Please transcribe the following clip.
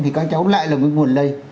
thì các cháu lại là nguồn lây